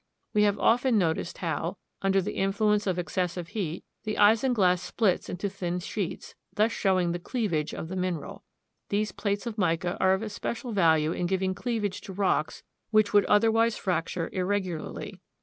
We have often noticed how, under the influence of excessive heat, the isinglass splits into thin sheets, thus showing the cleavage of the mineral. These plates of mica are of especial value in giving cleavage to rocks which would otherwise fracture irregularly.